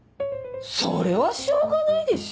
それはしょうがないでしょ。